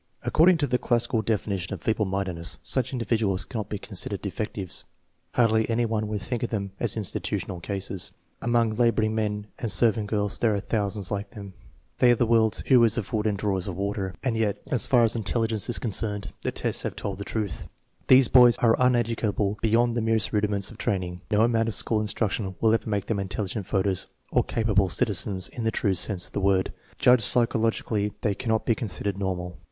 According to the classical definition of feeble mindedness such individuals cannot be considered defectives. Hardly any one would think of them as institutional cases, Among laboring men and ser vant girls there are thousands rir ,0, +1, ^ nru,w +v. T IA like them. They are the world s M "hewers of wood and drawers of water." And yet, as far as intelligence is concerned, the tests have told the truth. These boys are uneducable be yond the merest rudiments of training. No amount of school instruction will ever make them intelligent voters or capable citizens in the true sense of the word. Judged psychologically they cannot be considered normal.